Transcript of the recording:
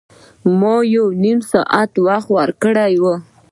ما یو نیم ساعت وخت ورکړی و.